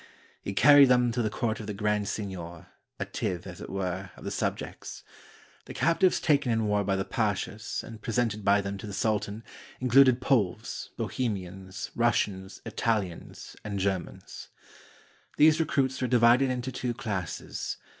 He carried them to the court of the grand seignior, a tithe, as it were, of the sub jects. The captives taken in war by the pashas, and pre sented by them to the sultan, included Poles, Bohemi ans, Russians, Italians, and Germans. These recruits were divided into two classes.